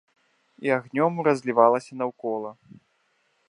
І агнём разлівалася наўкола.